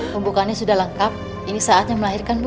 pembukanya sudah lengkap ini saatnya melahirkan bu